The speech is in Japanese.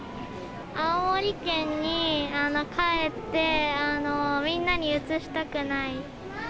青森県に帰って、みんなにうつしたくない。